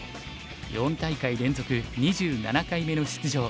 ４大会連続２７回目の出場